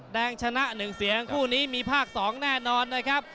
แดงชนะ๑เสียงคู่นี้มีภาค๒แน่นอนนะครับ